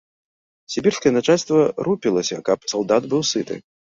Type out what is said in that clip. Сібірскае начальства рупілася, каб салдат быў сыты.